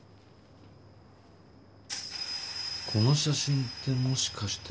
この写真ってもしかして。